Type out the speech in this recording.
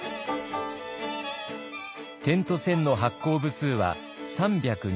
「点と線」の発行部数は３２２万部。